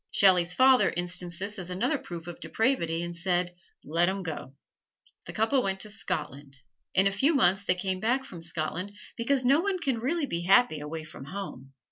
Shelley's father instanced this as another proof of depravity and said, "Let 'em go!" The couple went to Scotland. In a few months they came back from Scotland, because no one can really be happy away from home.